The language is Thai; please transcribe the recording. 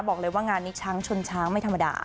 บอกเลยว่างานนี้ช้างชนช้างไม่ธรรมดา